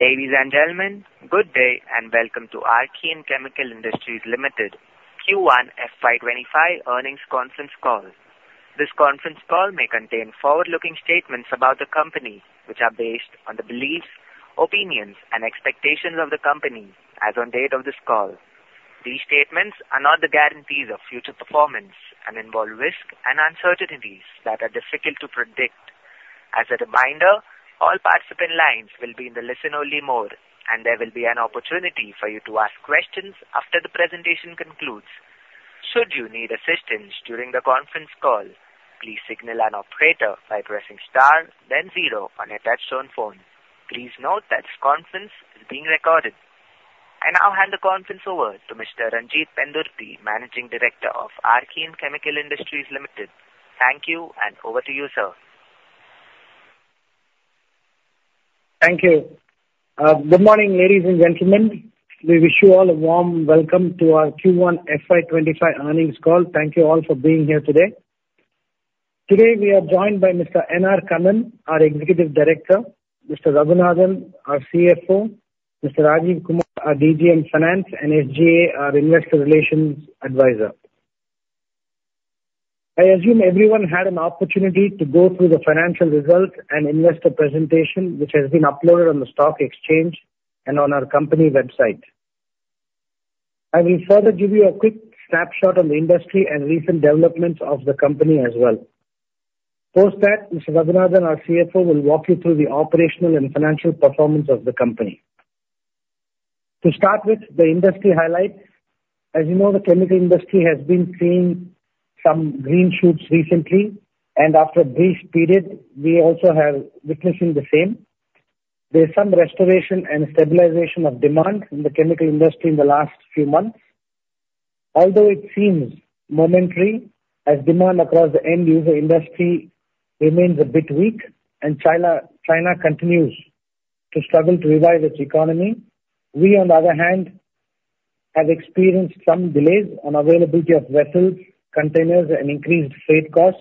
Ladies and gentlemen, good day and welcome to Archean Chemical Industries Limited Q1 FY 2025 earnings conference call. This conference call may contain forward-looking statements about the company, which are based on the beliefs, opinions, and expectations of the company as of the date of this call. These statements are not the guarantees of future performance and involve risks and uncertainties that are difficult to predict. As a reminder, all participant lines will be in the listen-only mode, and there will be an opportunity for you to ask questions after the presentation concludes. Should you need assistance during the conference call, please signal an operator by pressing star, then zero on your touch-tone phone. Please note that this conference is being recorded. I now hand the conference over to Mr. Ranjit Pendurthi, Managing Director of Archean Chemical Industries Limited. Thank you, and over to you, sir. Thank you. Good morning, ladies and gentlemen. We wish you all a warm welcome to our Q1 FY 2025 earnings call. Thank you all for being here today. Today, we are joined by Mr. N. R. Kannan, our Executive Director, Mr. Raghunathan, our CFO, Mr. Rajeev Kumar, our DGM Finance, and SGA, our Investor Relations Advisor. I assume everyone had an opportunity to go through the financial results and investor presentation, which has been uploaded on the stock exchange and on our company website. I will further give you a quick snapshot on the industry and recent developments of the company as well. Post that, Mr. Raghunathan, our CFO, will walk you through the operational and financial performance of the company. To start with, the industry highlights. As you know, the chemical industry has been seeing some green shoots recently, and after a brief period, we also are witnessing the same. There is some restoration and stabilization of demand in the chemical industry in the last few months. Although it seems momentary, as demand across the end-user industry remains a bit weak and China continues to struggle to revive its economy, we, on the other hand, have experienced some delays on availability of vessels, containers, and increased freight costs,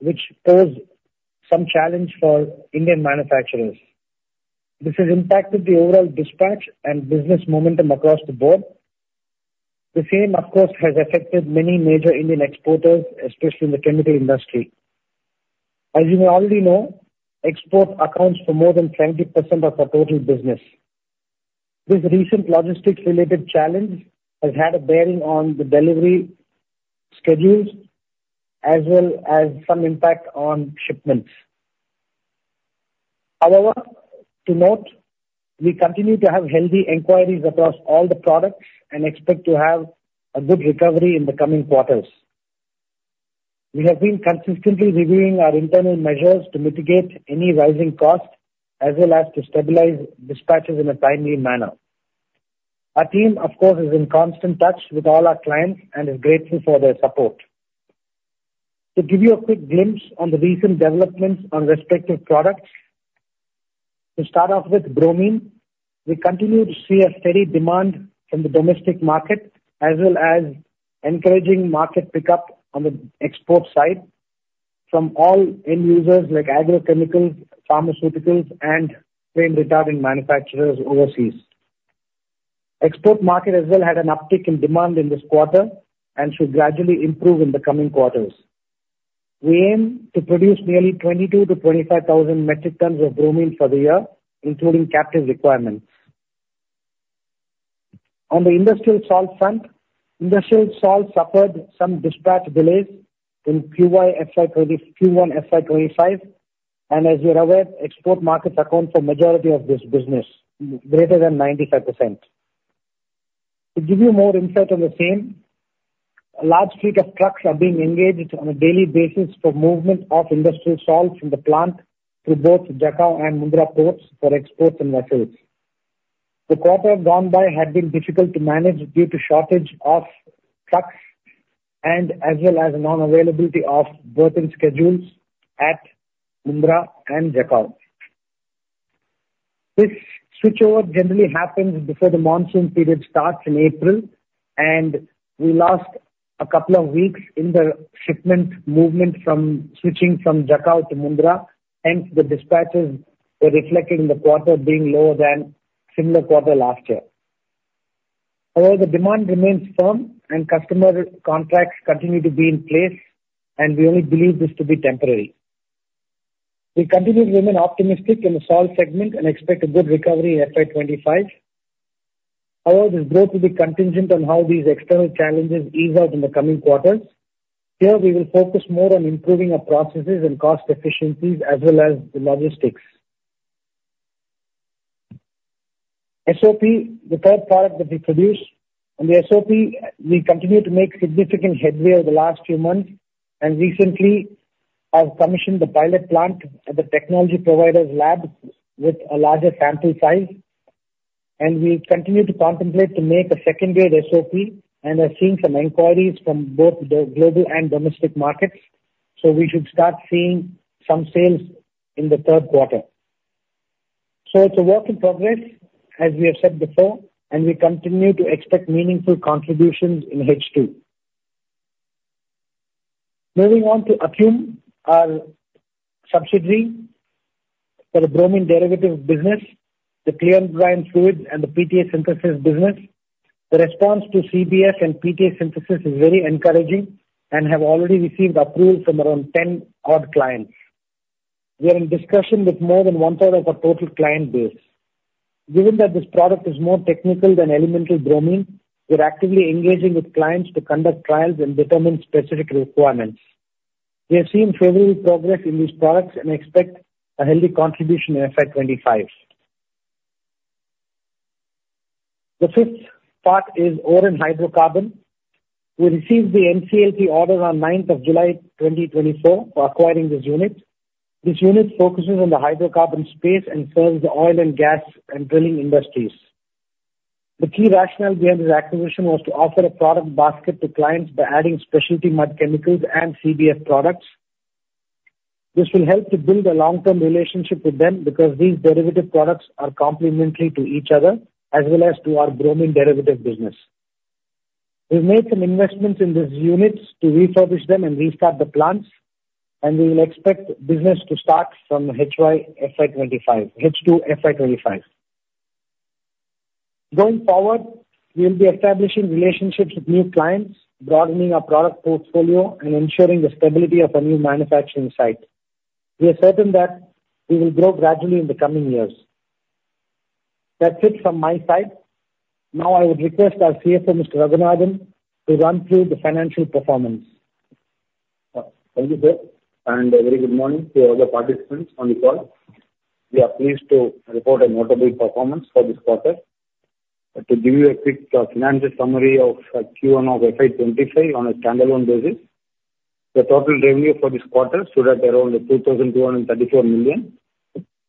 which pose some challenge for Indian manufacturers. This has impacted the overall dispatch and business momentum across the board. The same, of course, has affected many major Indian exporters, especially in the chemical industry. As you may already know, export accounts for more than 70% of our total business. This recent logistics-related challenge has had a bearing on the delivery schedules as well as some impact on shipments. However, to note, we continue to have healthy inquiries across all the products and expect to have a good recovery in the coming quarters. We have been consistently reviewing our internal measures to mitigate any rising costs as well as to stabilize dispatches in a timely manner. Our team, of course, is in constant touch with all our clients and is grateful for their support. To give you a quick glimpse on the recent developments on respective products, to start off with bromine, we continue to see a steady demand from the domestic market as well as encouraging market pickup on the export side from all end users like agrochemicals, pharmaceuticals, and flame-retardant manufacturers overseas. The export market as well had an uptick in demand in this quarter and should gradually improve in the coming quarters. We aim to produce nearly 22,000-25,000 metric tons of bromine for the year, including captive requirements. On the industrial salt front, industrial salt suffered some dispatch delays in Q1 FY 2025, and as you're aware, export markets account for the majority of this business, greater than 95%. To give you more insight on the same, a large fleet of trucks are being engaged on a daily basis for movement of industrial salt from the plant through both Jakhau and Mundra ports for exports and vessels. The quarter gone by had been difficult to manage due to the shortage of trucks and as well as the non-availability of berthing schedules at Mundra and Jakhau. This switchover generally happens before the monsoon period starts in April, and we lost a couple of weeks in the shipment movement from switching from Jakhau to Mundra. Hence, the dispatches were reflected in the quarter being lower than the similar quarter last year. However, the demand remains firm, and customer contracts continue to be in place, and we only believe this to be temporary. We continue to remain optimistic in the salt segment and expect a good recovery in FY 2025. However, this growth will be contingent on how these external challenges ease out in the coming quarters. Here, we will focus more on improving our processes and cost efficiencies as well as the logistics. SOP, the third product that we produce, and the SOP, we continue to make significant headway over the last few months, and recently, I've commissioned the pilot plant at the technology provider's lab with a larger sample size, and we continue to contemplate to make a secondary SOP, and we're seeing some inquiries from both the global and domestic markets, so we should start seeing some sales in the third quarter. It's a work in progress, as we have said before, and we continue to expect meaningful contributions in H2. Moving on to Acume, our subsidiary for the bromine derivative business, the Clear Brine Fluids, and the PTA Synthesis business, the response to CBF and PTA Synthesis is very encouraging and has already received approval from around 10 odd clients. We are in discussion with more than one-third of our total client base. Given that this product is more technical than elemental bromine, we're actively engaging with clients to conduct trials and determine specific requirements. We have seen favorable progress in these products and expect a healthy contribution in FY 2025. The fifth part is Oren Hydrocarbons. We received the NCLT order on the 9th of July 2024 for acquiring this unit. This unit focuses on the hydrocarbon space and serves the oil and gas and drilling industries. The key rationale behind this acquisition was to offer a product basket to clients by adding specialty mud chemicals and CBF products. This will help to build a long-term relationship with them because these derivative products are complementary to each other as well as to our bromine derivative business. We've made some investments in these units to refurbish them and restart the plants, and we will expect business to start from H2 FY 2025. Going forward, we will be establishing relationships with new clients, broadening our product portfolio, and ensuring the stability of our new manufacturing site. We are certain that we will grow gradually in the coming years. That's it from my side. Now, I would request our CFO, Mr. Raghunathan, to run through the financial performance. Thank you, sir, and a very good morning to all the participants on the call. We are pleased to report a notable performance for this quarter. To give you a quick financial summary of Q1 of FY 2025 on a standalone basis, the total revenue for this quarter stood at around 2,234 million,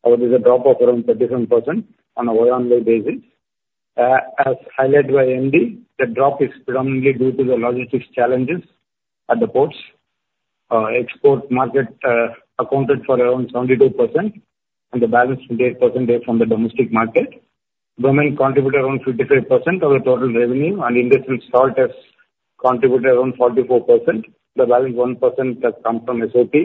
with a drop of around 37% on a one-year basis. As highlighted by MD, the drop is predominantly due to the logistics challenges at the ports. Export market accounted for around 72%, and the balance is 28% from the domestic market. Bromine contributed around 55% of the total revenue, and industrial salt has contributed around 44%. The balance of 1% has come from SOP.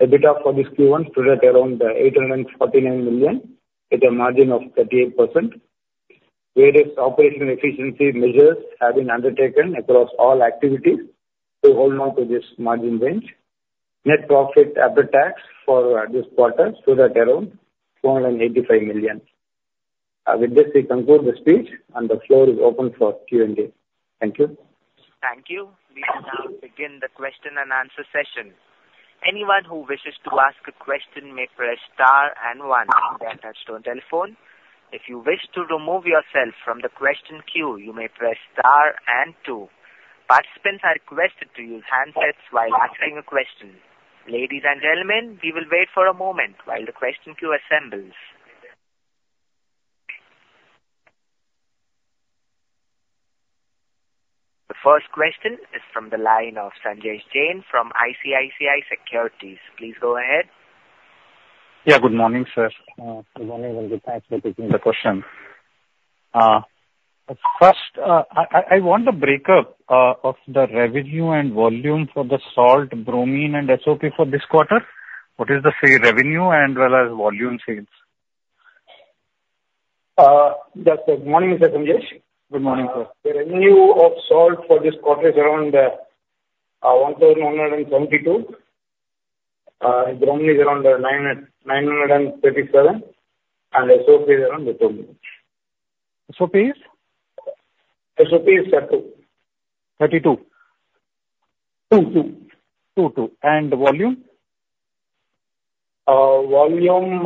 EBITDA for this Q1 stood at around 849 million with a margin of 38%. Various operational efficiency measures have been undertaken across all activities to hold on to this margin range.Net profit after tax for this quarter stood at around 285 million. With this, we conclude the speech, and the floor is open for Q&A. Thank you. Thank you. We will now begin the question and answer session. Anyone who wishes to ask a question may press star and one on the touch-tone telephone. If you wish to remove yourself from the question queue, you may press star and two. Participants are requested to use handsets while asking a question. Ladies and gentlemen, we will wait for a moment while the question queue assembles. The first question is from the line of Sanjesh Jain from ICICI Securities. Please go ahead. Yeah, good morning, sir. Good morning. Thank you, thanks for taking the question. First, I want a break-up of the revenue and volume for the salt, bromine, and SOP for this quarter. What is the revenue as well as volume sales? Good morning, Mr. Sanjesh. Good morning, sir. The revenue of salt for this quarter is around 1,172. Bromine is around 937, and SOP is around 22. SOP is? SOP is 22. 32? 22. 22. And volume? Volume,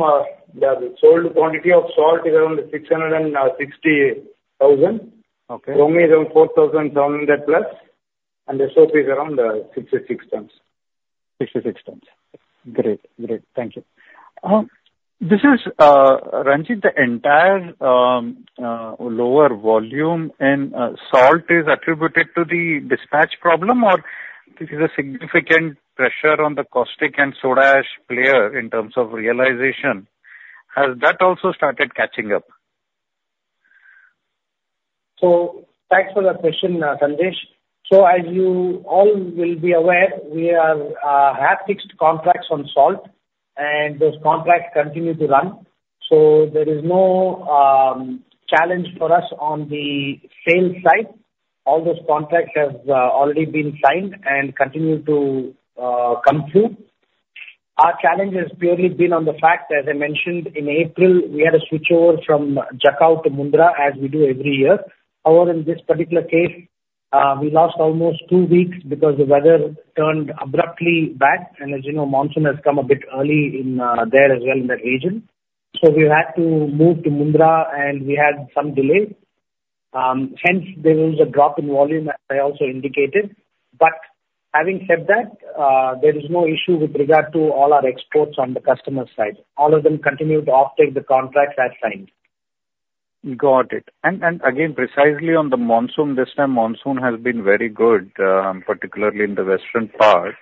the sold quantity of salt is around 660,000. Okay. Bromine is around 4,700+, and SOP is around 66 tons. 66 tons. Great. Great. Thank you. This is, Ranjit, the entire lower volume in salt is attributed to the dispatch problem, or this is a significant pressure on the caustic and soda ash player in terms of realization. Has that also started catching up? So thanks for the question, Sanjesh. So as you all will be aware, we have fixed contracts on salt, and those contracts continue to run. So there is no challenge for us on the sales side. All those contracts have already been signed and continue to come through. Our challenge has purely been on the fact that, as I mentioned, in April, we had a switchover from Jakhau to Mundra, as we do every year. However, in this particular case, we lost almost two weeks because the weather turned abruptly bad, and as you know, monsoon has come a bit early there as well in that region. So we had to move to Mundra, and we had some delays. Hence, there was a drop in volume, as I also indicated. But having said that, there is no issue with regard to all our exports on the customer side. All of them continue to offtake the contracts as signed. Got it. And again, precisely on the monsoon, this time monsoon has been very good, particularly in the western part.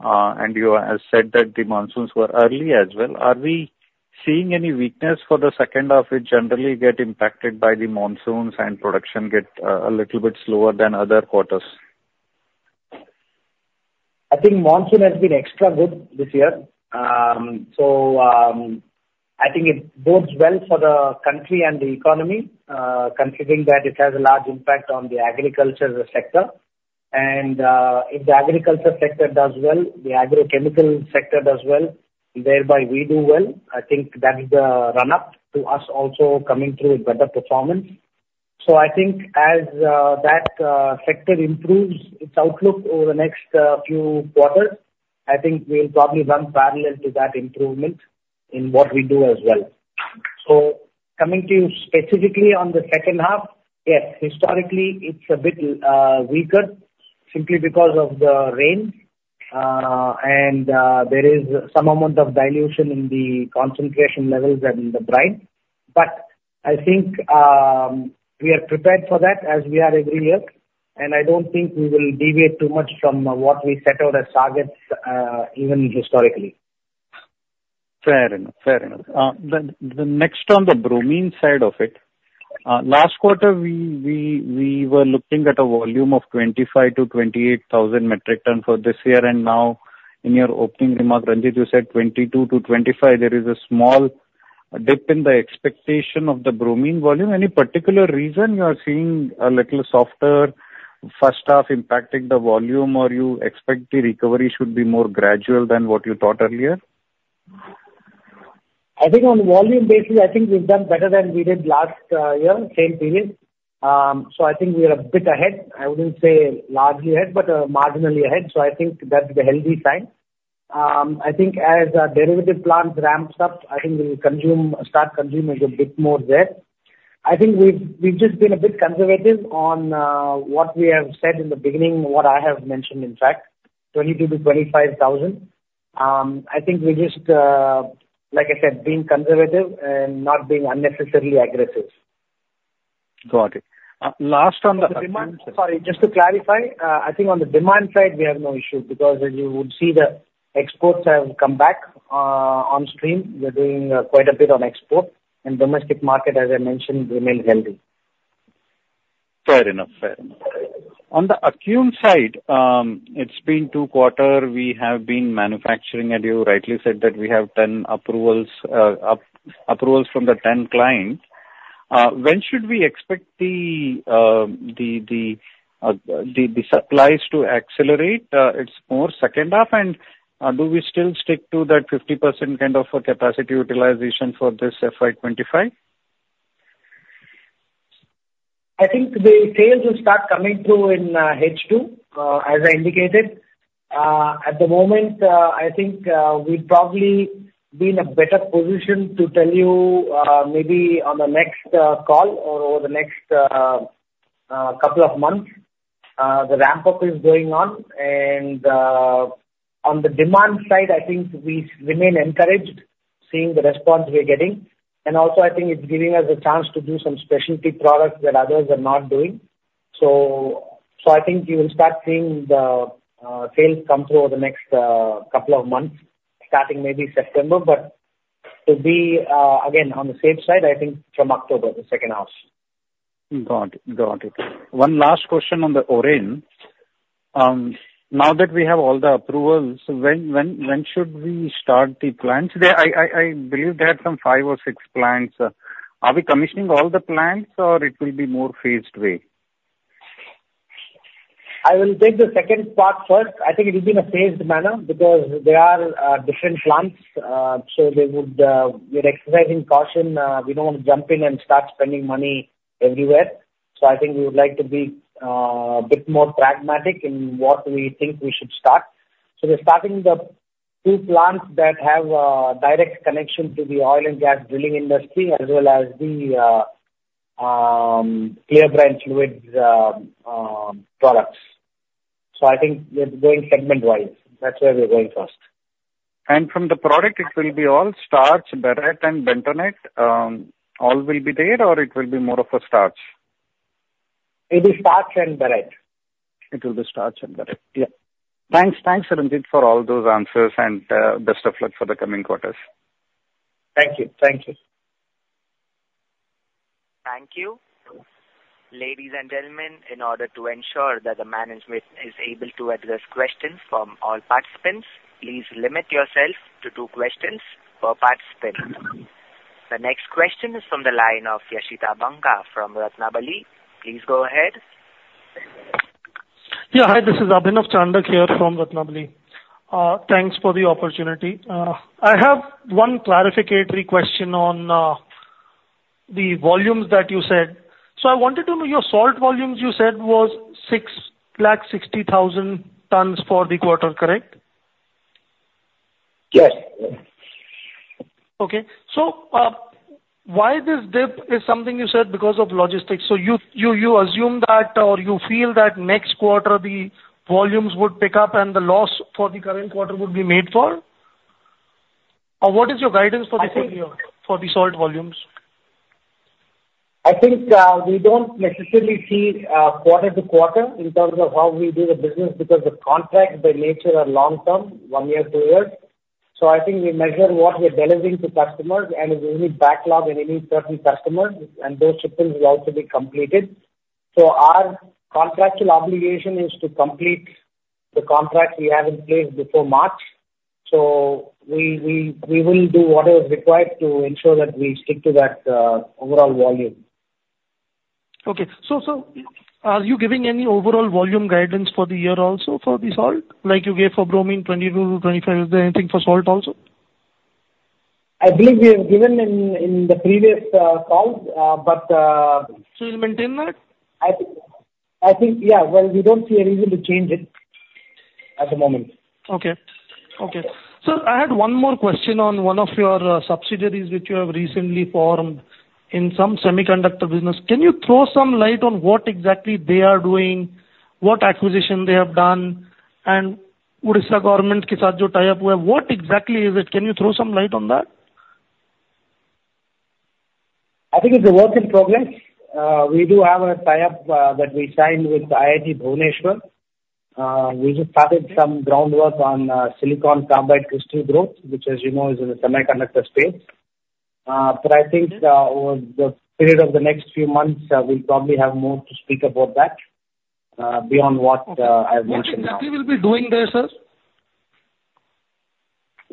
And you have said that the monsoons were early as well. Are we seeing any weakness for the second half, which generally gets impacted by the monsoons and production gets a little bit slower than other quarters? I think monsoon has been extra good this year. So I think it bodes well for the country and the economy, considering that it has a large impact on the agriculture sector. And if the agriculture sector does well, the agrochemical sector does well, thereby we do well. I think that is the run-up to us also coming through with better performance. So I think as that sector improves its outlook over the next few quarters, I think we'll probably run parallel to that improvement in what we do as well. So coming to you specifically on the second half, yes, historically, it's a bit weaker simply because of the rain, and there is some amount of dilution in the concentration levels and the brine. But I think we are prepared for that as we are every year, and I don't think we will deviate too much from what we set out as targets, even historically. Fair enough. Fair enough. The next on the bromine side of it, last quarter, we were looking at a volume of 25,000-28,000 metric tons for this year, and now in your opening remarks, Ranjit, you said 22,000-25,000. There is a small dip in the expectation of the bromine volume. Any particular reason you are seeing a little softer first half impacting the volume, or you expect the recovery should be more gradual than what you thought earlier? I think on the volume basis, I think we've done better than we did last year, same period. So I think we are a bit ahead. I wouldn't say largely ahead, but marginally ahead. So I think that's the healthy side. I think as derivative plants ramp up, I think we will start consuming a bit more there. I think we've just been a bit conservative on what we have said in the beginning, what I have mentioned, in fact, 22,000-25,000. I think we're just, like I said, being conservative and not being unnecessarily aggressive. Got it. Last on the. Sorry, just to clarify, I think on the demand side, we have no issue because as you would see, the exports have come back on stream. We're doing quite a bit on export, and the domestic market, as I mentioned, remains healthy. Fair enough. Fair enough. On the Acume side, it's been two quarters we have been manufacturing, and you rightly said that we have 10 approvals from the 10 clients. When should we expect the supplies to accelerate, is it more second half, and do we still stick to that 50% kind of capacity utilization for this FY 2025? I think the sales will start coming through in H2, as I indicated. At the moment, I think we'd probably be in a better position to tell you maybe on the next call or over the next couple of months. The ramp-up is going on, and on the demand side, I think we remain encouraged seeing the response we're getting. And also, I think it's giving us a chance to do some specialty products that others are not doing. So I think you will start seeing the sales come through over the next couple of months, starting maybe September. But to be, again, on the safe side, I think from October, the second half. Got it. Got it. One last question on Oren. Now that we have all the approvals, when should we start the plants? I believe they had some five or six plants. Are we commissioning all the plants, or it will be more phased way? I will take the second part first. I think it will be in a phased manner because there are different plants, so we're exercising caution. We don't want to jump in and start spending money everywhere. So I think we would like to be a bit more pragmatic in what we think we should start. So we're starting the two plants that have a direct connection to the oil and gas drilling industry as well as the Clear Brine Fluids products. So I think we're going segment-wise. That's where we're going first. From the product, it will be all starch, barytes, and bentonite. All will be there, or it will be more of a starch? It will be starch and barytes. It will be starch and barytes. Yeah. Thanks, Ranjit, for all those answers, and best of luck for the coming quarters. Thank you. Thank you. Thank you. Ladies and gentlemen, in order to ensure that the management is able to address questions from all participants, please limit yourself to two questions per participant. The next question is from the line of Yashita Banka from Ratnabali. Please go ahead. Yeah, hi, this is Abhinav Chandak here from Ratnabali. Thanks for the opportunity. I have one clarificatory question on the volumes that you said. So I wanted to know your salt volumes you said was 660,000 tons for the quarter, correct? Yes. Okay. So why this dip is something you said because of logistics? So you assume that or you feel that next quarter the volumes would pick up and the loss for the current quarter would be made for? Or what is your guidance for the salt volumes? I think we don't necessarily see quarter to quarter in terms of how we do the business because the contracts by nature are long-term, one year, two years. So I think we measure what we're delivering to customers and we only backlog in any certain customers, and those shipments will also be completed. So our contractual obligation is to complete the contracts we have in place before March. So we will do whatever is required to ensure that we stick to that overall volume. Okay. So are you giving any overall volume guidance for the year also for the salt? Like you gave for bromine 22,000-25,000 is there anything for salt also? I believe we have given in the previous calls, but. So you'll maintain that? I think, yeah. Well, we don't see a reason to change it at the moment. Okay. So I had one more question on one of your subsidiaries which you have recently formed in some semiconductor business. Can you throw some light on what exactly they are doing, what acquisition they have done, and IIT Bhubaneswar tie-up. What exactly is it? Can you throw some light on that? I think it's a work in progress. We do have a tie-up that we signed with IIT Bhubaneswar. We just started some groundwork on silicon carbide crystal growth, which, as you know, is in the semiconductor space. But I think over the period of the next few months, we'll probably have more to speak about that beyond what I've mentioned now. What exactly will be doing there, sir?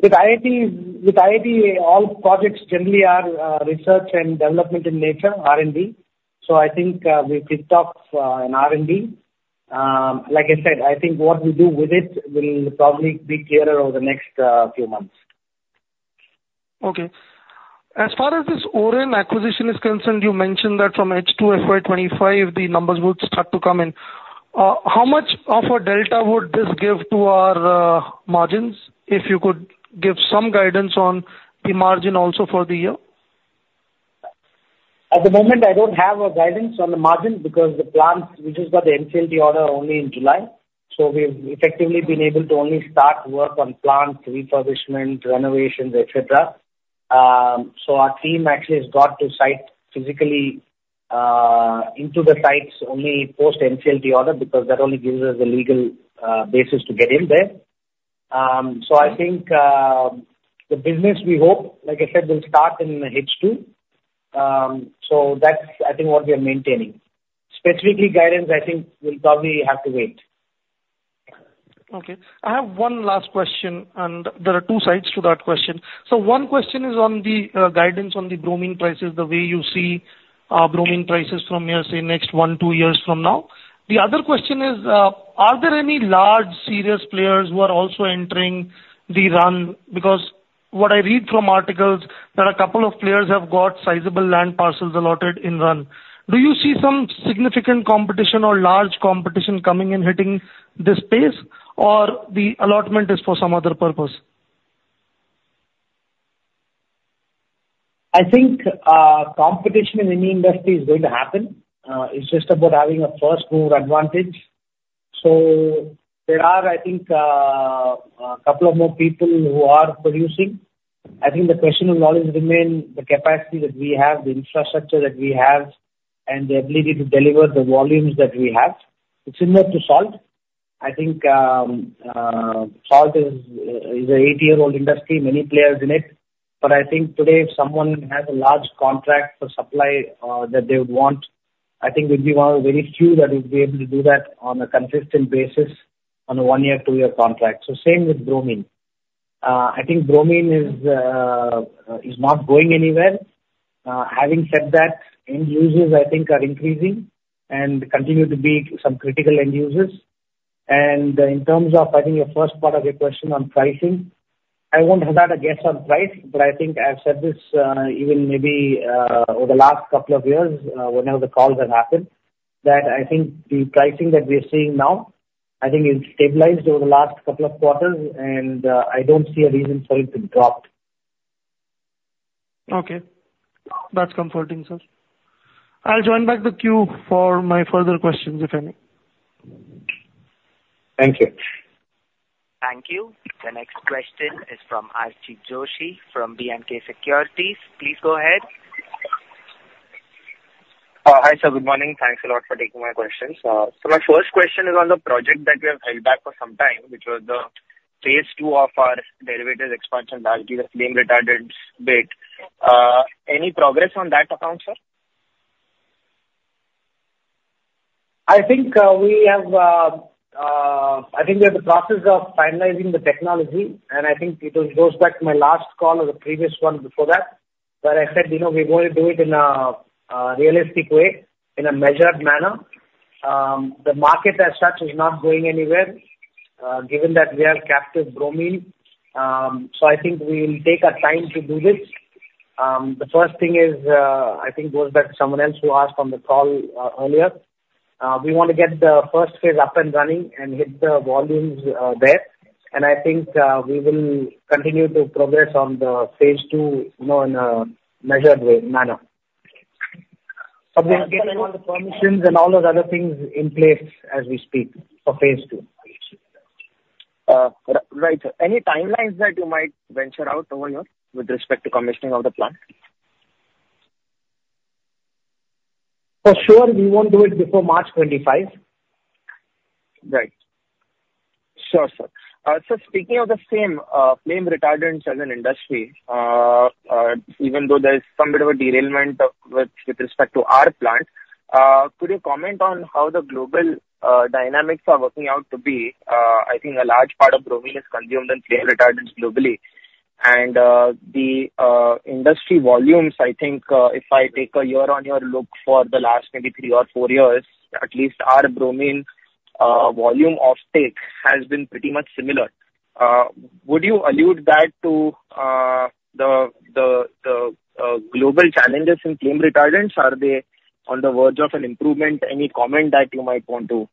With IIT, all projects generally are research and development in nature, R&D. So I think we've kicked off an R&D. Like I said, I think what we do with it will probably be clearer over the next few months. Okay. As far as this Oren acquisition is concerned, you mentioned that from H2 FY 2025, the numbers would start to come in. How much of a delta would this give to our margins if you could give some guidance on the margin also for the year? At the moment, I don't have a guidance on the margin because the plants we just got the NCLT order only in July. So we've effectively been able to only start work on plants, refurbishment, renovations, etc. So our team actually has got to the site physically into the sites only post NCLT order because that only gives us the legal basis to get in there. So I think the business, we hope, like I said, will start in H2. So that's, I think, what we are maintaining. Specifically, guidance, I think we'll probably have to wait. Okay. I have one last question, and there are two sides to that question. So one question is on the guidance on the bromine prices, the way you see bromine prices from here, say, next one, two years from now. The other question is, are there any large serious players who are also entering the Rann? Because what I read from articles, there are a couple of players who have got sizable land parcels allotted in Rann. Do you see some significant competition or large competition coming and hitting this space, or the allotment is for some other purpose? I think competition in any industry is going to happen. It's just about having a first-mover advantage. So there are, I think, a couple of more people who are producing. I think the question will always remain the capacity that we have, the infrastructure that we have, and the ability to deliver the volumes that we have. It's similar to salt. I think salt is an 80-year-old industry. Many players in it. But I think today, if someone has a large contract for supply that they would want, I think we'd be one of the very few that would be able to do that on a consistent basis on a one-year, two-year contract. So same with bromine. I think bromine is not going anywhere. Having said that, end users, I think, are increasing and continue to be some critical end users. In terms of, I think, your first part of your question on pricing, I won't have a guess on price, but I think I've said this even maybe over the last couple of years whenever the calls have happened, that I think the pricing that we are seeing now, I think, is stabilized over the last couple of quarters, and I don't see a reason for it to drop. Okay. That's comforting, sir. I'll join back the queue for my further questions, if any. Thank you. Thank you. The next question is from Archit Joshi from B&K Securities. Please go ahead. Hi, sir. Good morning. Thanks a lot for taking my questions. So my first question is on the project that we have held back for some time, which was the Phase II of our derivatives expansion that we have delayed a bit. Any progress on that account, sir? I think we have the process of finalizing the technology, and I think it goes back to my last call or the previous one before that, where I said we're going to do it in a realistic way, in a measured manner. The market as such is not going anywhere, given that we have captive bromine. So I think we will take our time to do this. The first thing is, I think, goes back to someone else who asked on the call earlier. We want to get the first phase up and running and hit the volumes there. And I think we will continue to progress on the Phase II in a measured manner. So we'll get all the permissions and all those other things in place as we speak for Phase II. Right. Any timelines that you might venture out over here with respect to commissioning of the plant? For sure, we won't do it before March 2025. Right. Sure, sir. So speaking of the same flame retardants as an industry, even though there's some bit of a derailment with respect to our plant, could you comment on how the global dynamics are working out to be? I think a large part of bromine is consumed in flame retardants globally. The industry volumes, I think, if I take a year-on-year look for the last maybe three or four years, at least our bromine volume offtake has been pretty much similar. Would you allude that to the global challenges in flame retardants? Are they on the verge of an improvement? Any comment that you might want to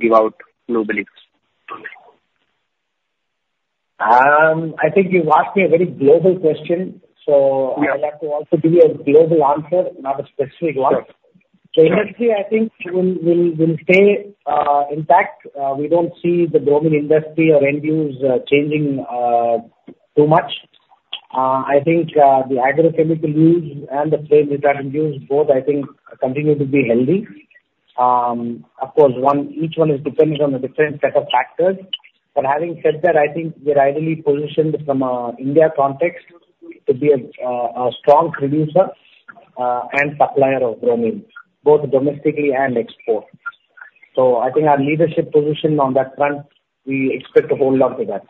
give out globally? I think you've asked me a very global question, so I'll have to also give you a global answer, not a specific one. So industry, I think, will stay intact. We don't see the bromine industry or end use changing too much. I think the agrochemical use and the flame retardant use both, I think, continue to be healthy. Of course, each one is dependent on a different set of factors. But having said that, I think we're ideally positioned from an India context to be a strong producer and supplier of bromine, both domestically and exports. So I think our leadership position on that front, we expect to hold on to that.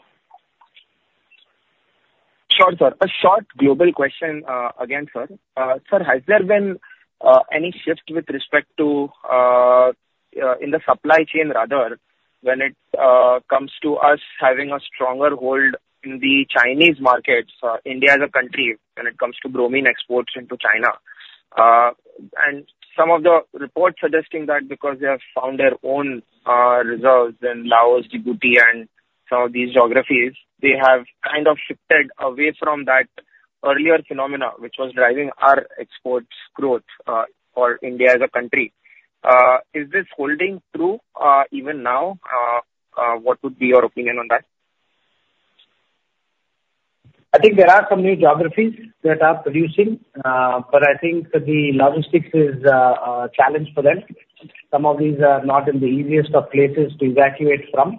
Sure, sir. A short global question again, sir. Sir, has there been any shift with respect to in the supply chain, rather, when it comes to us having a stronger hold in the Chinese market, India as a country, when it comes to bromine exports into China? And some of the reports suggesting that because they have found their own reserves in Laos, Djibouti, and some of these geographies, they have kind of shifted away from that earlier phenomenon, which was driving our exports growth for India as a country. Is this holding true even now? What would be your opinion on that? I think there are some new geographies that are producing, but I think the logistics is a challenge for them. Some of these are not in the easiest of places to evacuate from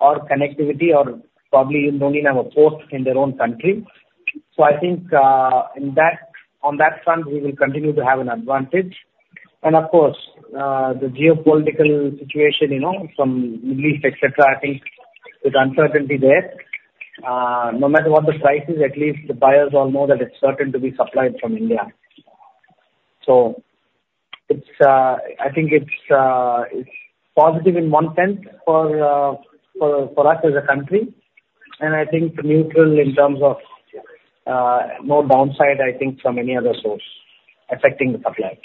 or connectivity or probably don't even have a port in their own country, so I think on that front, we will continue to have an advantage, and of course, the geopolitical situation from Middle East, etc., I think with uncertainty there, no matter what the price is, at least the buyers all know that it's certain to be supplied from India, so I think it's positive in one sense for us as a country, and I think neutral in terms of no downside, I think, from any other source affecting the supply.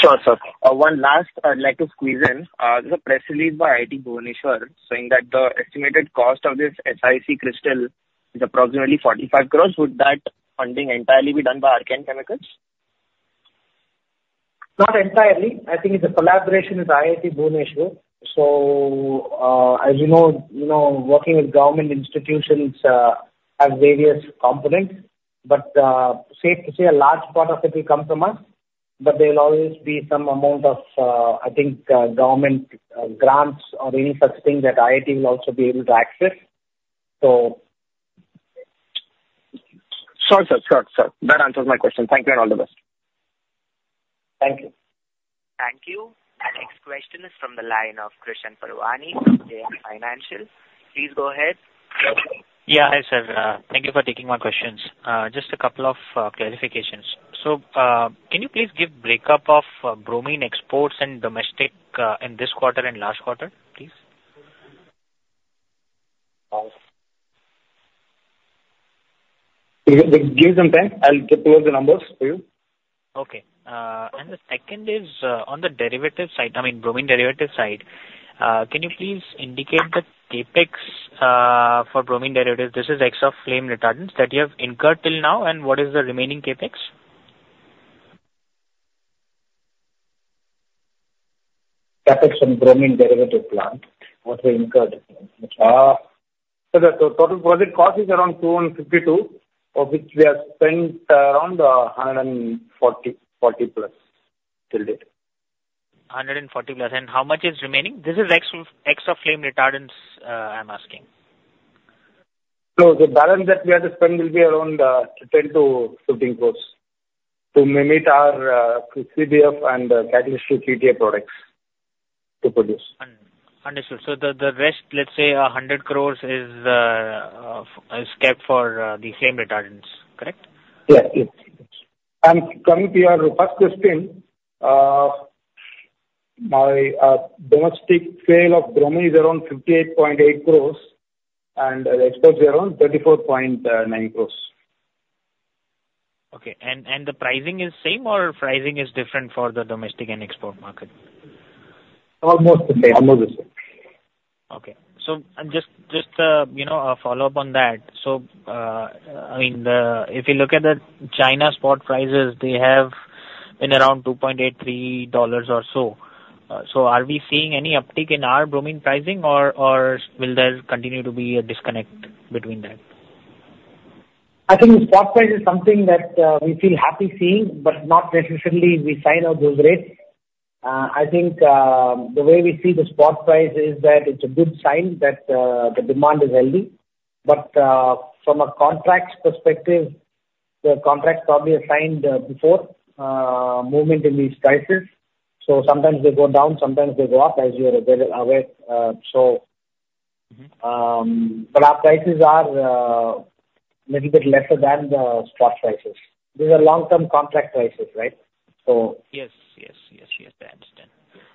Sure, sir. One last I'd like to squeeze in. There's a press release by IIT Bhubaneswar saying that the estimated cost of this SiC crystal is approximately 450 million. Would that funding entirely be done by Archean Chemicals? Not entirely. I think the collaboration is IIT Bhubaneswar. So as you know, working with government institutions has various components, but safe to say a large part of it will come from us. But there will always be some amount of, I think, government grants or any such thing that IIT will also be able to access, so. Sure, sir. Sure, sir. That answers my question. Thank you and all the best. Thank you. Thank you. The next question is from the line of Krishan Parwani from JM Financial. Please go ahead. Yeah. Hi, sir. Thank you for taking my questions. Just a couple of clarifications. So can you please give a breakup of bromine exports and domestic in this quarter and last quarter, please? Give some time. I'll get towards the numbers for you. Okay, and the second is on the derivative side, I mean, bromine derivative side. Can you please indicate the CapEx for bromine derivatives? This is ex-flame retardants that you have incurred till now, and what is the remaining CapEx? CapEx on bromine derivative plant, what we incurred, so the total project cost is around 252 million, of which we have spent around 140+ million till date. 140+ million. And how much is remaining? This is use of ex-flame retardants I'm asking. The balance that we have to spend will be around 10 crores-15 crores to meet our CBF and catalyst to PTA products to produce. Understood, so the rest, let's say 100 crores is kept for the flame retardants, correct? Yes. Yes. I'm coming to your first question. My domestic sale of bromine is around 58.8 crores, and the exports are around 34.9 crores. Okay. And the pricing is same, or pricing is different for the domestic and export market? Almost the same. Almost the same. Okay. So just a follow-up on that. So I mean, if you look at the China spot prices, they have been around $2.83 or so. So are we seeing any uptick in our bromine pricing, or will there continue to be a disconnect between that? I think spot price is something that we feel happy seeing, but not necessarily we sign on those rates. I think the way we see the spot price is that it's a good sign that the demand is healthy. But from a contracts perspective, the contracts probably assigned before movement in these prices. So sometimes they go down, sometimes they go up as you're aware. So our prices are a little bit lesser than the spot prices. These are long-term contract prices, right? So. Yes. Yes. Yes. Yes. I understand.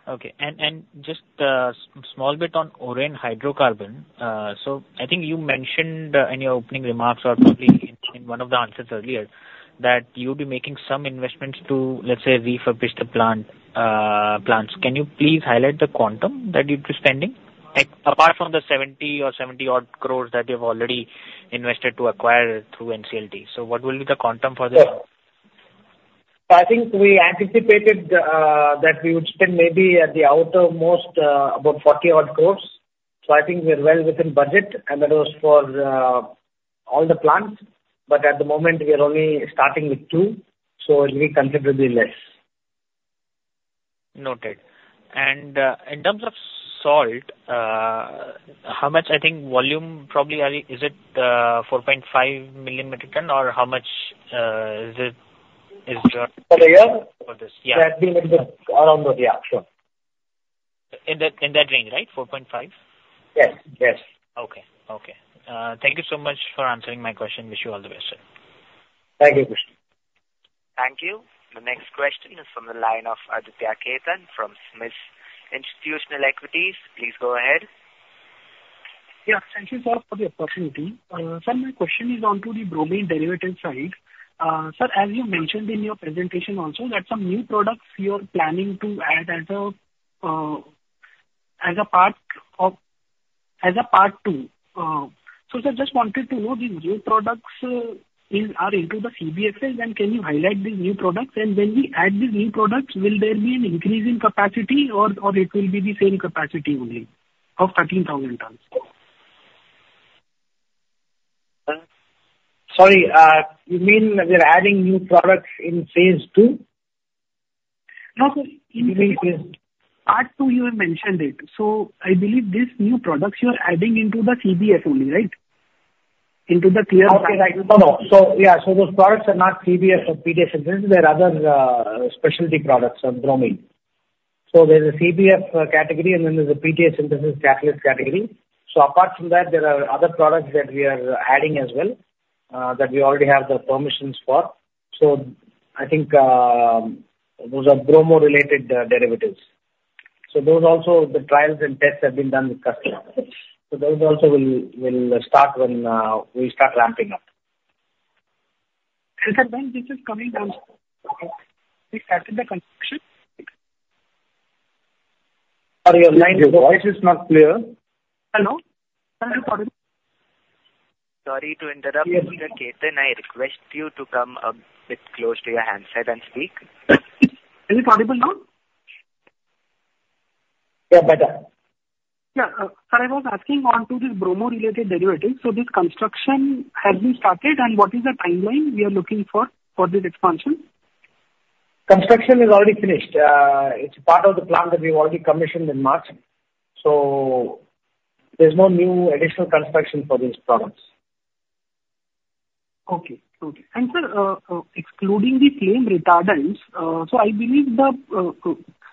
Okay. And just a small bit on Oren Hydrocarbons. So I think you mentioned in your opening remarks or probably in one of the answers earlier that you would be making some investments to, let's say, refurbish the plants. Can you please highlight the quantum that you're spending apart from the 70 crore or 70-odd crores that you've already invested to acquire through NCLT? So what will be the quantum for this? So I think we anticipated that we would spend maybe at the outermost about 40-odd crores. So I think we're well within budget, and that was for all the plants. But at the moment, we are only starting with two, so it will be considerably less. Noted. And in terms of salt, how much I think volume probably is it 4.5 million per ton, or how much is it? Per year? For this. Yeah. That's been a little bit around those. Yeah. Sure. In that range, right? 4.5? Yes. Yes. Okay. Okay. Thank you so much for answering my question. Wish you all the best, sir. Thank you, Krishan. Thank you. The next question is from the line of Aditya Khetan from SMIFS Equities. Please go ahead. Yeah. Thank you, sir, for the opportunity. Sir, my question is onto the bromine derivative side. Sir, as you mentioned in your presentation also, that some new products you are planning to add as a part of part two. So sir, just wanted to know, these new products are into the CBF, then can you highlight these new products? And when we add these new products, will there be an increase in capacity, or it will be the same capacity only of 13,000 tons? Sorry. You mean we're adding new products in Phase II? No. In phase two, you have mentioned it. So I believe these new products you are adding into the CBF only, right? Into the clear products. Okay. Right. No. No. So yeah. So those products are not CBF or PTA synthesis. They're other specialty products of bromine. So there's a CBF category, and then there's a PTA synthesis catalyst category. So apart from that, there are other products that we are adding as well that we already have the permissions for. So I think those are bromo-related derivatives. So those also, the trials and tests have been done with customers. So those also will start when we start ramping up. Sir, when this is coming down, sir, we started the construction. Sorry, your line is not clear. Hello? I'm I audible? Sorry to interrupt, Mr. Khetan. I request you to come a bit close to your handset and speak. Is it audible now? Yeah. Better. Yeah. Sir, I was asking about this bromo-related derivative. So this construction has been started, and what is the timeline we are looking for for this expansion? Construction is already finished. It's part of the plant that we've already commissioned in March. So there's no new additional construction for these products. Okay. And sir, excluding the flame retardants, so I believe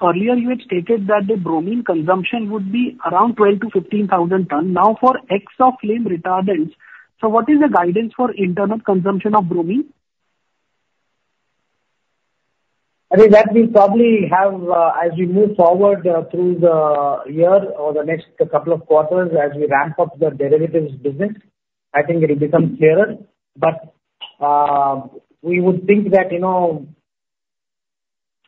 earlier you had stated that the bromine consumption would be around 12,000-15,000 tons. Now ex-flame retardants, so what is the guidance for internal consumption of bromine? I think that we'll probably have, as we move forward through the year or the next couple of quarters, as we ramp up the derivatives business, I think it will become clearer. But we would think that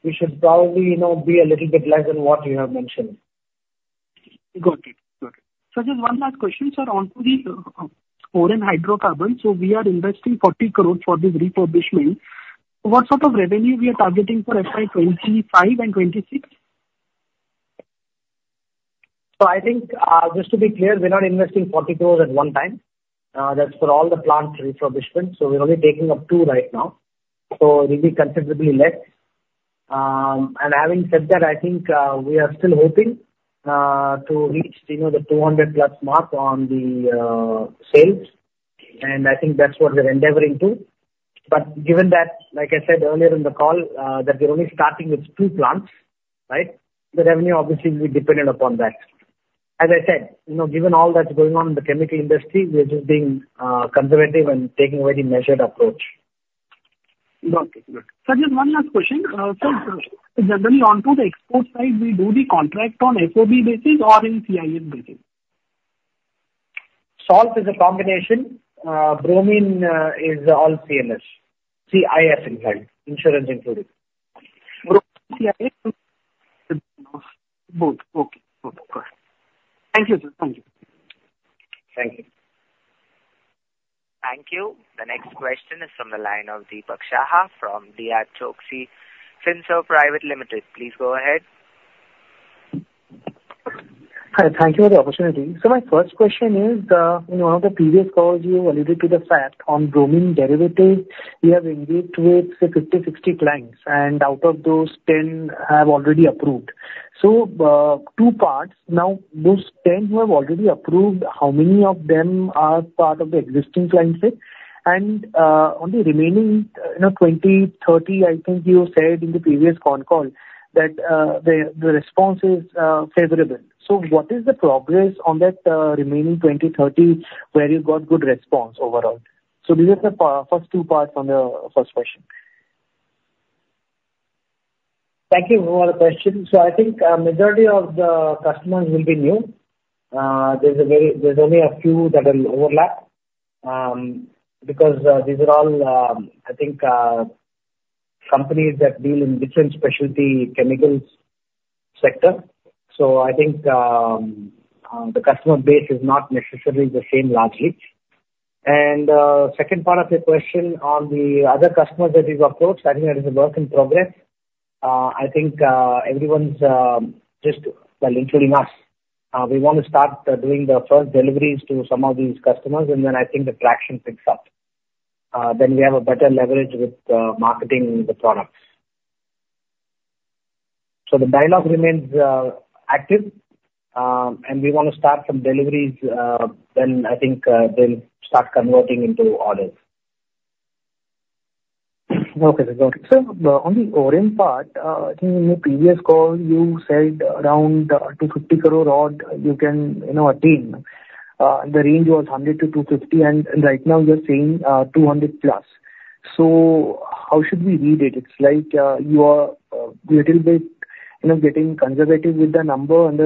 we should probably be a little bit less than what you have mentioned. Got it. Got it. So just one last question, sir, onto Oren Hydrocarbons. So we are investing 40 crores for this refurbishment. What sort of revenue we are targeting for FY 2025 and FY 2026? So I think, just to be clear, we're not investing 40 crores at one time. That's for all the plant refurbishment. So we're only taking up two right now. So it will be considerably less. And having said that, I think we are still hoping to reach the 200+ mark on the sales. And I think that's what we're endeavoring to. But given that, like I said earlier in the call, that we're only starting with two plants, right, the revenue obviously will be dependent upon that. As I said, given all that's going on in the chemical industry, we're just being conservative and taking a very measured approach. Got it. Got it. Sir, just one last question. So generally onto the export side, we do the contract on FOB basis or in CIF basis? Salt is a combination. Bromine is all CIF inside, insurance included. Bromine CIF? Both. Both. Okay. Good. Good. Thank you, sir. Thank you. Thank you. Thank you. The next question is from the line of Dipak Saha from D.R. Choksey FinServ Private Limited. Please go ahead. Hi. Thank you for the opportunity. So my first question is, in one of the previous calls, you alluded to the fact on bromine derivatives. We have engaged with 50, 60 clients, and out of those, 10 have already approved. So two parts. Now, those 10 who have already approved, how many of them are part of the existing client set? And on the remaining 20, 30, I think you said in the previous phone call that the response is favorable. So what is the progress on that remaining 20, 30 where you got good response overall? So these are the first two parts on the first question. Thank you for all the questions. So I think a majority of the customers will be new. There's only a few that will overlap because these are all, I think, companies that deal in different specialty chemicals sector. So I think the customer base is not necessarily the same largely. And second part of your question on the other customers that we've approached, I think that is a work in progress. I think everyone's, well, including us, we want to start doing the first deliveries to some of these customers, and then I think the traction picks up. Then we have a better leverage with marketing the products. So the dialogue remains active, and we want to start some deliveries, then I think they'll start converting into orders. Okay. Sir, on the Oren part, I think in the previous call, you said around 250 crore odd you can attain. The range was 100-250, and right now you're saying 200+. So how should we read it? It's like you are a little bit getting conservative with the number, and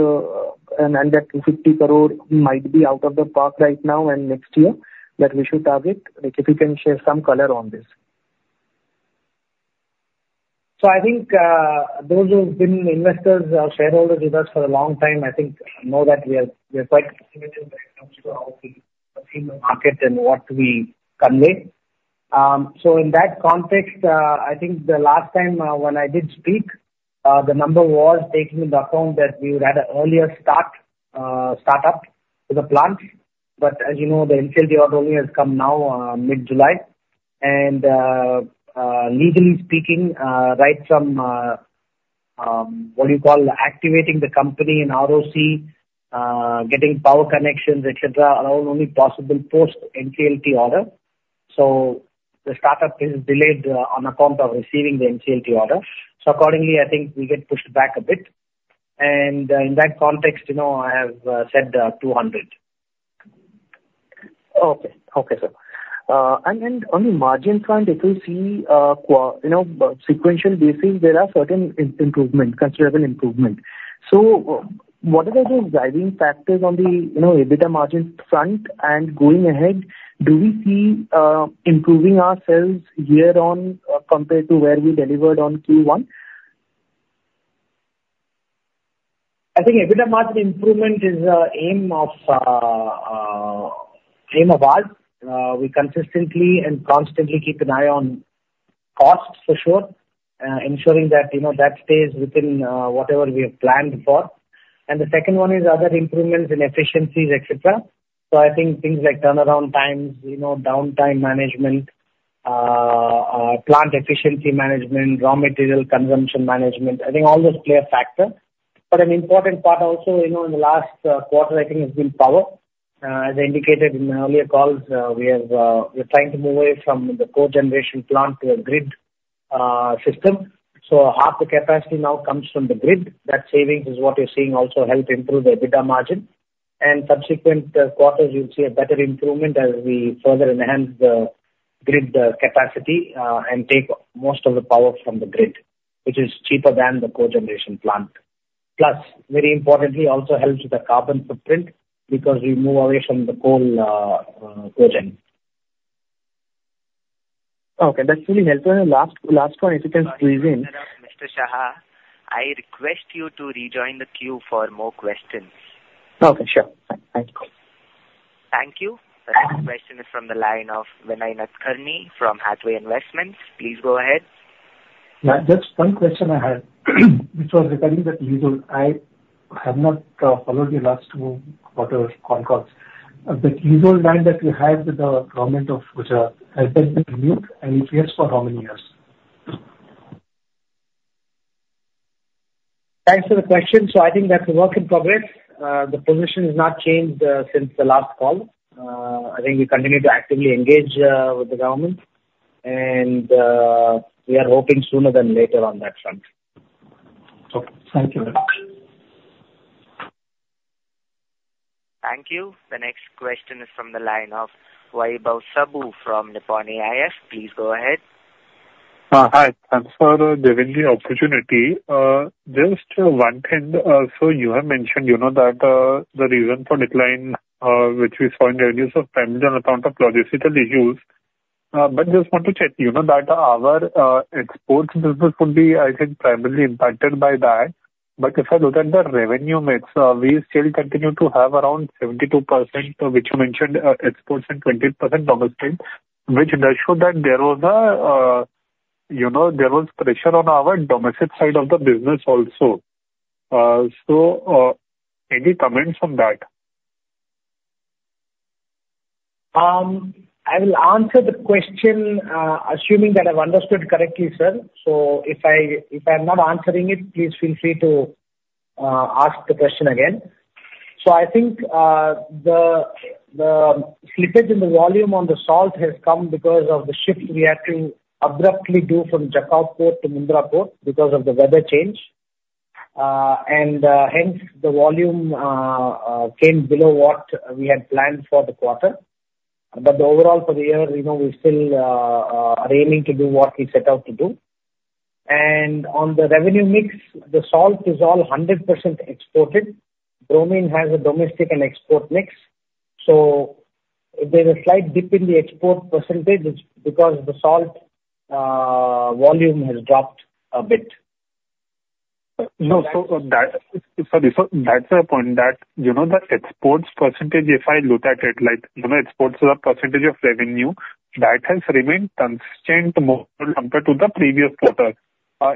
that 250 crore might be out of the park right now and next year that we should target. If you can share some color on this. I think those who've been investors or shareholders with us for a long time know that we are quite conservative when it comes to how we perceive the market and what we convey. In that context, the last time when I did speak, the number was taking into account that we had an earlier startup with the plants. But as you know, the NCLT order only has come now, mid-July. Legally speaking, right from what you call activating the company in ROC, getting power connections, etc., are all only possible post-NCLT order. The startup is delayed on account of receiving the NCLT order. Accordingly, we get pushed back a bit. In that context, I have said 200. Okay. Okay, sir. And then on the margin front, if we see sequential basis, there are certain improvements, considerable improvements. So what are the driving factors on the EBITDA margin front? And going ahead, do we see improving ourselves year-on compared to where we delivered on Q1? I think EBITDA margin improvement is an aim of ours. We consistently and constantly keep an eye on costs, for sure, ensuring that that stays within whatever we have planned for. And the second one is other improvements in efficiencies, etc. So I think things like turnaround times, downtime management, plant efficiency management, raw material consumption management. I think all those play a factor. But an important part also in the last quarter, I think, has been power. As I indicated in earlier calls, we are trying to move away from the cogeneration plant to a grid system. So half the capacity now comes from the grid. That savings is what you're seeing also helps improve the EBITDA margin. And subsequent quarters, you'll see a better improvement as we further enhance the grid capacity and take most of the power from the grid, which is cheaper than the cogeneration plant. Plus, very importantly, also helps with the carbon footprint because we move away from the coal cogen. Okay. That's really helpful, and last point, if you can squeeze in. Mr. Saha, I request you to rejoin the queue for more questions. Okay. Sure. Thank you. Thank you. The next question is from the line of Vinay Nadkarni from Hathway Investments. Please go ahead. Yeah. Just one question I had. It was regarding that you said I have not followed your last two quarters phone calls. The SEZ lease that you have with the government of Gujarat, has that been renewed? And if yes, for how many years? Thanks for the question. So I think that's a work in progress. The position has not changed since the last call. I think we continue to actively engage with the government, and we are hoping sooner than later on that front. Okay. Thank you very much. Thank you. The next question is from the line of Wahid Ahmed from Napean Capital. Please go ahead. Hi. Thanks for giving the opportunity. Just one thing. So you have mentioned that the reason for decline, which we saw in earlier times on account of logistical issues. But just want to check that our exports business would be, I think, primarily impacted by that. But if I look at the revenue mix, we still continue to have around 72%, which you mentioned, exports and 20% domestic, which does show that there was a pressure on our domestic side of the business also. So any comments on that? I will answer the question assuming that I've understood correctly, sir. So if I'm not answering it, please feel free to ask the question again. So I think the slippage in the volume on the salt has come because of the shift we had to abruptly do from Jakhau Port to Mundra Port because of the weather change. And hence, the volume came below what we had planned for the quarter. But overall, for the year, we're still aiming to do what we set out to do. And on the revenue mix, the salt is all 100% exported. Bromine has a domestic and export mix. So there's a slight dip in the export percentage because the salt volume has dropped a bit. No, sorry. So that's a point that the exports percentage, if I look at it, exports are a percentage of revenue. That has remained consistent compared to the previous quarter.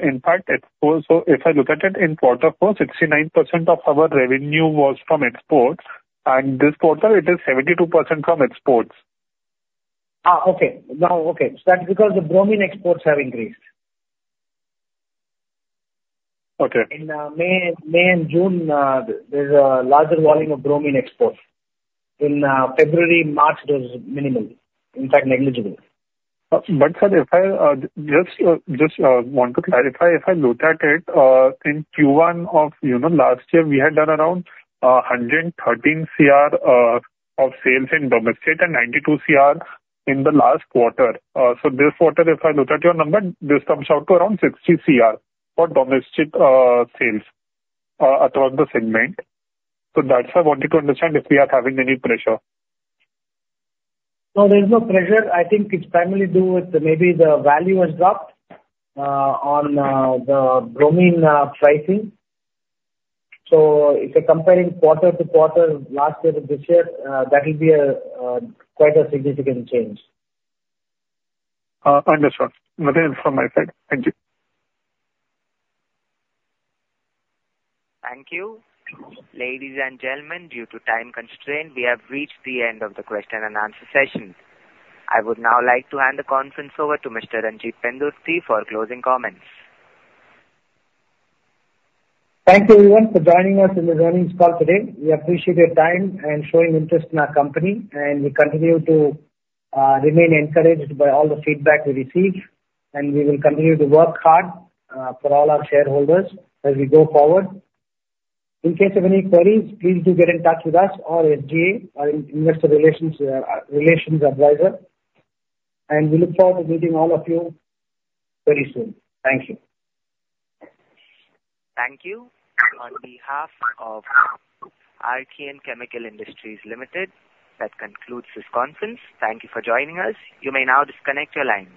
In fact, if I look at it in quarter four, 69% of our revenue was from exports. And this quarter, it is 72% from exports. That's because the bromine exports have increased. Okay. In May and June, there's a larger volume of bromine exports. In February, March, it was minimal, in fact, negligible. But sir, if I just want to clarify, if I look at it, in Q1 of last year, we had done around 113 CR of sales in domestic and 92 CR in the last quarter. So this quarter, if I look at your number, this comes out to around 60 CR for domestic sales across the segment. So that's why I wanted to understand if we are having any pressure. No, there's no pressure. I think it's primarily due with maybe the value has dropped on the bromine pricing. So if you're comparing quarter to quarter last year to this year, that will be quite a significant change. Understood. Nothing from my side. Thank you. Thank you. Ladies and gentlemen, due to time constraints, we have reached the end of the question and answer session. I would now like to hand the conference over to Mr. Ranjit Pendurthi for closing comments. Thank you everyone for joining us in this earnings call today. We appreciate your time and showing interest in our company. And we continue to remain encouraged by all the feedback we receive. And we will continue to work hard for all our shareholders as we go forward. In case of any queries, please do get in touch with us or SGA or investor relations advisor. And we look forward to meeting all of you very soon. Thank you. Thank you. On behalf of Archean Chemical Industries Limited, that concludes this conference. Thank you for joining us. You may now disconnect your lines.